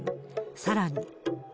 さらに。